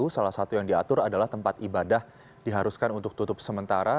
salah satu yang diatur adalah tempat ibadah diharuskan untuk tutup sementara